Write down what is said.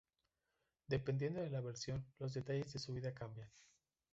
Dependiendo de la versión, los detalles de su vida cambian.